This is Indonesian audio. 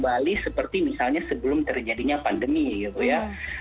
kembali seperti misalnya sebelum terjadinya pandemi gitu ya